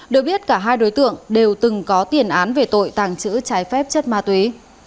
được biết cả hai đối tượng đều từng có tiền án về tội tàng trữ trái phép chất ma túy